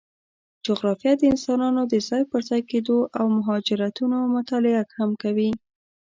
جغرافیه د انسانانو د ځای پر ځای کېدو او مهاجرتونو مطالعه هم کوي.